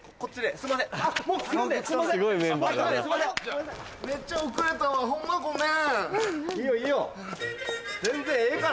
すいません